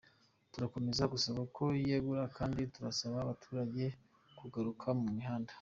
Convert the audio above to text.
Turakomeza gusaba ko yegura kandi turasaba abaturage kugaruka mu mihanda.”